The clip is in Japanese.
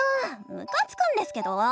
むかつくんですけど！